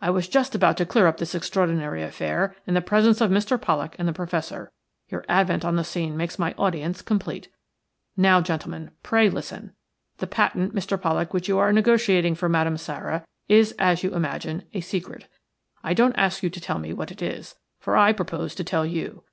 I was just about to clear up this extraordinary affair in the presence of Mr. Pollak and the Professor. Your advent on the scene makes my audience complete. Now, gentlemen, pray listen. The patent, Mr. Pollak, which you are negotiating for Madame Sara is, as you imagine, a secret. I don't ask you to tell me what it is, for I propose to tell you.